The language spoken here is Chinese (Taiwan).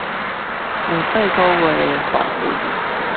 有八個月的範圍